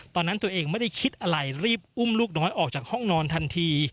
ตอนนั้นตัวเองไม่ได้คิดอะไรรีบอุ้มลูกน้อยออกจากห้องนอนทันที